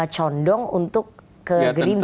condong untuk ke gerindra